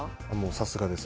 さすがです。